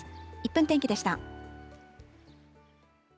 １分天気でした。